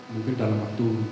mungkin dalam waktu